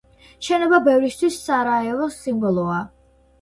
შენობა ბევრისთვის სარაევოს სიმბოლოა.